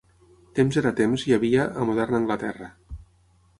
Temps era temps hi havia, a moderna Anglaterra.